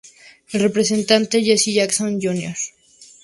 El representante Jesse Jackson, Jr.